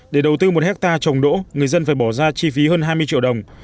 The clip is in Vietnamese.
để đầu tư một hectare trồng đỗ người dân phải bỏ ra chi phí hơn hai mươi triệu đồng